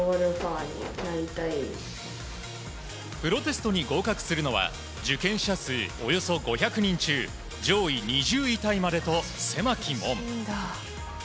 プロテストに合格するのは受験者数およそ５００人中上位２０位タイまでと狭き門。